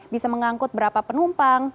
bisa mengangkut berapa penumpang